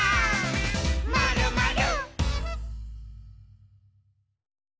「まるまる」